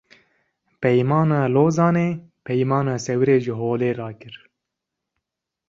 Peymana Lozanê, Peymana Sewrê ji holê rakir